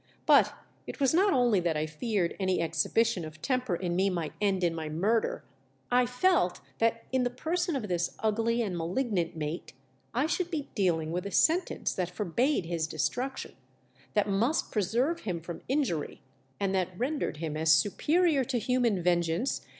But it was not only that I feared any exhibition of temper in me might end in my murder ; I felt that in the person of this ugly and malignant mate I should be dealing with a sentence that forbade his destruction, that must preserve him from injury, and that ren dered him as superior to human vengeance MV LIFE IS ATTEMPTED.